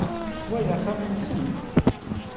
Wa d axxam-nsent?